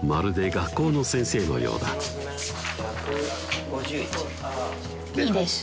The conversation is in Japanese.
学校の先生のようだいいです